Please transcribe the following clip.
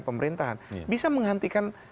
pemerintahan bisa menghentikan